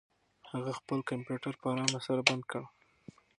هغه خپل کمپیوټر په ارامه سره بند کړ.